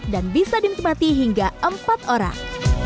dan bisa dinikmati hingga empat orang